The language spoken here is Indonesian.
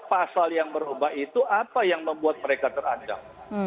pasal yang berubah itu apa yang membuat mereka terancam